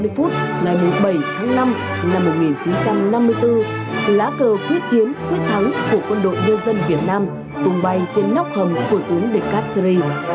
một mươi bảy h ba mươi phút ngày một mươi bảy tháng năm năm một nghìn chín trăm năm mươi bốn lá cờ quyết chiến quyết thắng của quân đội dân dân việt nam tung bay trên nóc hầm của tướng descartes